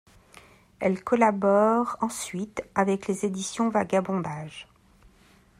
Elle collabore ensuite avec les éditions Vagabondages.